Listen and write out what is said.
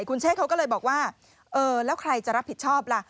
คุณเชษเขาก็เลยบอกว่าเออแล้วใครจะรับผิดชอบล่ะ